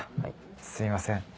すいません。